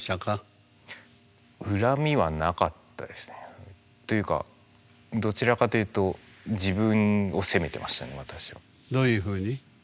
恨みはなかったですね。というかどちらかというとどういうふうに？